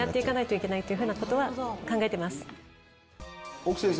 奥先生。